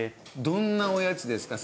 どんなおやつですか？